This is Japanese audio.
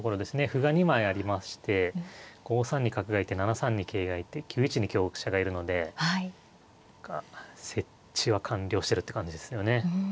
歩が２枚ありまして５三に角がいて７三に桂がいて９一に香車がいるので何か設置は完了してるって感じですよね。